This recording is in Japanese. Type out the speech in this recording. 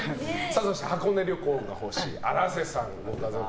そして箱根旅行がほしい荒瀬さんご家族。